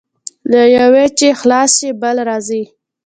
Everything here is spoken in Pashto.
له یوه چې خلاص شې، بل راځي.